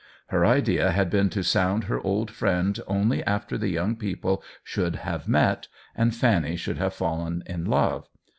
Her idea had been to sound her old friend only after the young people should have met, and Fanny should have fallen in love.